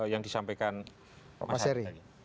yang disampaikan pak seri tadi